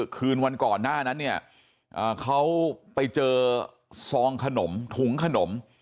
คืนวันก่อนหน้านั้นเนี่ยเขาไปเจอซองขนมถุงขนม